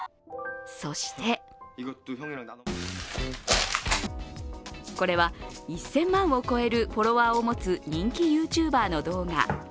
そしてこれは１０００万を超えるフォロワーを持つ人気ＹｏｕＴｕｂｅｒの動画。